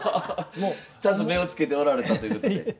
ちゃんと目を付けておられたということで。